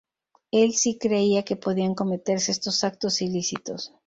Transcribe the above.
Él sí creía que podían cometerse estos actos ilícitos